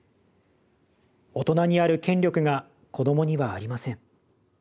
大人にある権力が子どもにはありません。